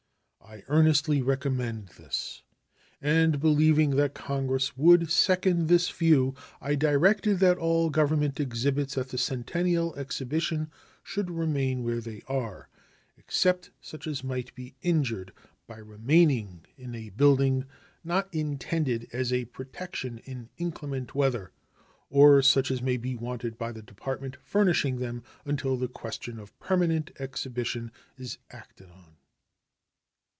I earnestly recommend this; and believing that Congress would second this view, I directed that all Government exhibits at the Centennial Exhibition should remain where they are, except such as might be injured by remaining in a building not intended as a protection in inclement weather, or such as may be wanted by the Department furnishing them, until the question of permanent exhibition is acted on.